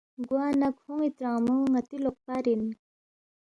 گوانہ کھون٘ی ترانگمو ن٘تی لوقپار اِن